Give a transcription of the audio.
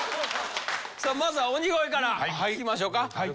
さあまずは鬼越からいきましょか。